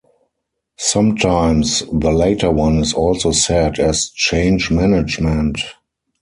Sometimes, the later one is also said as change management.